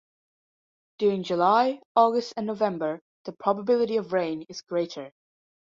During July, August and November the probability of rain is greater.